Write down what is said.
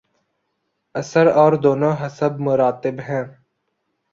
اثر اور دونوں حسب مراتب ہیں۔